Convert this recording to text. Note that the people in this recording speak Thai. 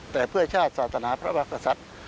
แต่เพื่อชาติศาสนาพระมหากษัตริย์